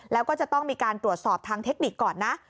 แล้วก็จะต้องมีการตรวจสอบทางเทคนิคก่อนนะ